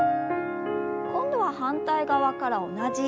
今度は反対側から同じように。